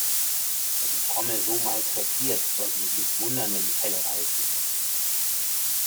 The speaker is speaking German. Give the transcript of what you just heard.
Wer die Trommel so malträtiert, sollte sich nicht wundern, wenn die Felle reißen.